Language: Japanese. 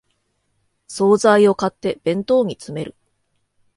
総菜を買って弁当に詰める